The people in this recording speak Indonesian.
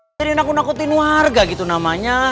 ngerin aku nakutin warga gitu namanya